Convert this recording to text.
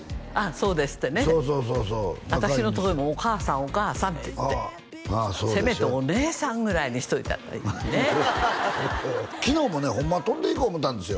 そうですってねそうそうそうそう私のとこにも「お母さんお母さん」って言ってせめてお姉さんぐらいにしといたったらいいのにね昨日もねホンマは飛んでいこう思うたんですよ